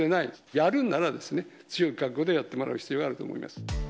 やるんならですね、強い覚悟でやってもらう必要があると思います。